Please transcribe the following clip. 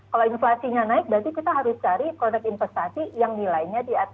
kalau inflasinya naik berarti kita harus cari produk investasi yang nilainya di atas